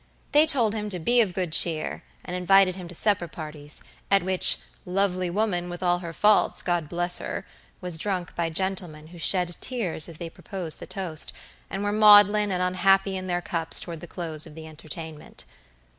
They told him to be of good cheer, and invited him to supper parties, at which "lovely woman, with all her faults, God bless her," was drunk by gentlemen who shed tears as they proposed the toast, and were maudlin and unhappy in their cups toward the close of the entertainment.